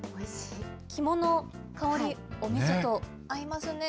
肝の香り、おみそと合いますね。